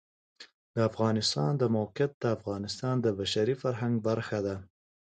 د افغانستان د موقعیت د افغانستان د بشري فرهنګ برخه ده.